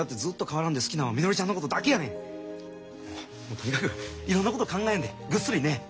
とにかくいろんなこと考えんでぐっすり寝え。